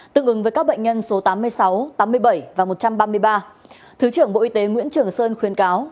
tương ứng với các bệnh nhân số tám mươi sáu tám mươi bảy và một trăm ba mươi ba thứ trưởng bộ y tế nguyễn trường sơn khuyên cáo